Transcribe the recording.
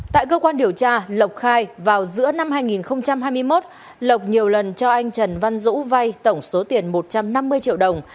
tại cơ quan điều tra lộc khai vào giữa năm hai nghìn hai mươi một lộc nhiều lần cho anh trần văn dũ vay tổng số tiền một trăm năm mươi triệu đồng